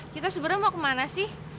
kita sebenarnya mau kemana sih